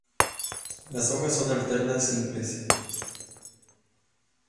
Las hojas son alternas, simples.